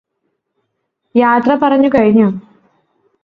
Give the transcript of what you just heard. യാത്ര പറഞ്ഞു കഴിഞ്ഞോ